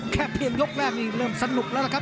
แค่เปลี่ยนยกแรกนี่เริ่มสนุกแล้วนะครับ